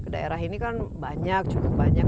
daerah ini kan banyak cukup banyak